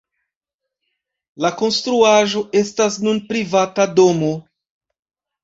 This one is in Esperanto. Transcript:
La konstruaĵo estas nun privata domo.